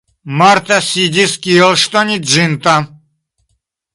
Marta sidis kiel ŝtoniĝinta.